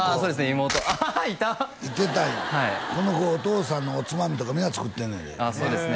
妹アハハいたいてたんやこの子お父さんのおつまみとかみんな作ってんねんでそうですね